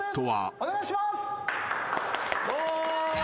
お願いします。